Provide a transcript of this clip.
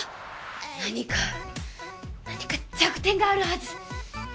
何か何か弱点があるはず！